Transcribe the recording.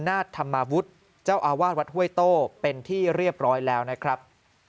นาฏธรรมวุฒิเจ้าอาวาสวัดห้วยโต้เป็นที่เรียบร้อยแล้วนะครับ